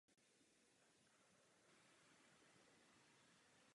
Tato pozice je určena pro platformy v regionu střední a východní Evropy.